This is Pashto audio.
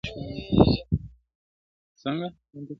بیا موسم د شګوفو سو غوړېدلی ارغوان دی -